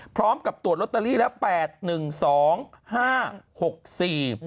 พร้อมกับตรวจลอตเตอรี่แล้วแปดหนึ่งสองห้าหกสี่